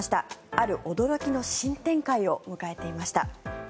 ある驚きの新展開を迎えていました。